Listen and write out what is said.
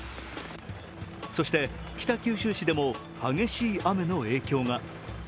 そして、北九州市でも激しい雨の影響が。